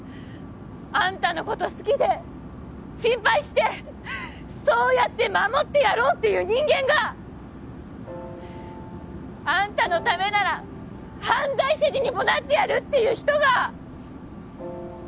あんたのこと好きで心配してそうやって守ってやろうっていう人間が！あんたのためなら犯罪者にでもなってやるっていう人が！